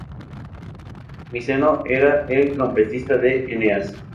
Miseno era el trompetista de Eneas.